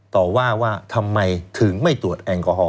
ต่อว่าว่าทำไมถึงไม่ตรวจแอลกอฮอล